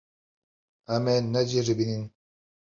Em ê neceribînin.